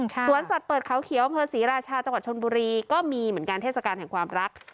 สวนสัตว์เปิดเขาเขียวอำเภอศรีราชาจังหวัดชนบุรีก็มีเหมือนกันเทศกาลแห่งความรัก